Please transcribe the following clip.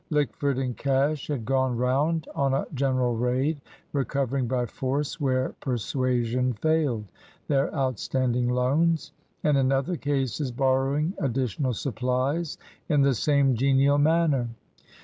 Lickford and Cash had gone round on a general raid; recovering by force, where persuasion failed, their outstanding loans, and in other cases borrowing additional supplies in the same genial manner.